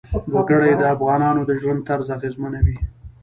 وګړي د افغانانو د ژوند طرز اغېزمنوي.